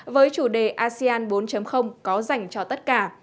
với chủ đề asean bốn có dành cho tất cả